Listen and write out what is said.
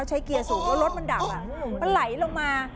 เกียร์สูงแล้วรถมันดับมันไหลลงมา